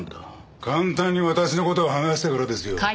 簡単に私の事を話したからですよ。